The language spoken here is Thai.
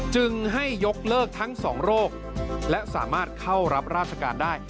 จึงให้ยกเลิกทั้งสองโรคและสามารถเข้ารับราชการได้